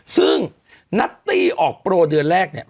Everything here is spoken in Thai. ซึ่งนัตตี้ออกโปรเดือนแรกเนี่ย